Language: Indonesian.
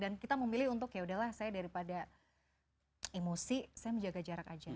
dan kita memilih untuk yaudahlah saya daripada emosi saya menjaga jarak aja